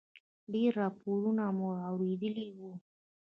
ډېر راپورونه مو اورېدلي و.